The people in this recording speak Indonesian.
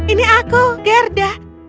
ini aku gerda